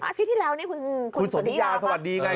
อาทิตย์ที่แล้วนี่คุณศรษฐิยาคุณศรษฐิยาสวัสดีไง